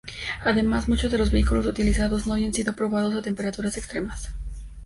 Además, muchos de los vehículos utilizados no habían sido probados a temperaturas extremas.